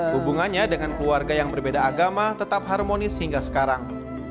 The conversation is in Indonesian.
hubungannya dengan keluarga yang berbeda agama tetap harmonis hingga sekarang